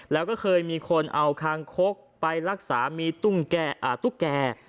แล้วก็เคยมีคนเอาคางคกไปรักษามีตุ๊กแก่